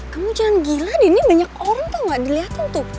kamu jangan gila dini banyak orang tau nggak dilihatin tuh